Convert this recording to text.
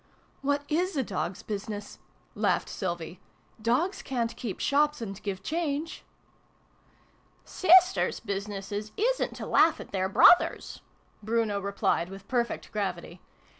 " What is a. dog's business ?" laughed Sylvie. " Dogs ca'n't keep shops and give change !"" Sisters' businesses isrit to laugh at their brothers," Bruno replied with perfect gravity.